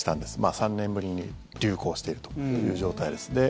３年ぶりに流行しているという状態です。